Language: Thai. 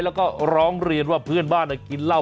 แล้วก็ร้องเรียนว่าเพื่อนบ้านกินเหล้า